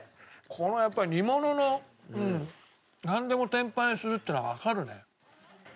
このやっぱり煮物のなんでも天ぷらにするっていうのはわかるね。